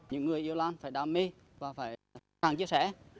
những người yêu lan phải đam mê và phải càng chia sẻ